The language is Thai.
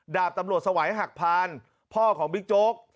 ดาบตำรวจสวัยหักพานพ่อของบิ๊กโจ๊ก